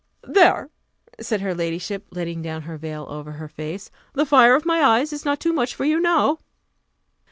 '" "There!" said her ladyship, letting down her veil over her face, "the fire of my eyes is not too much for you now."